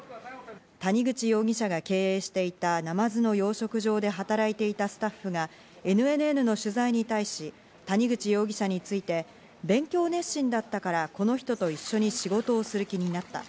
谷口容疑者が経営していたナマズの養殖場で働いていたスタッフがＮＮＮの取材に対し、谷口容疑者について、勉強熱心だったから、この人と一緒に仕事をする気になった。